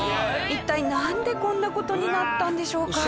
一体なんでこんな事になったんでしょうか？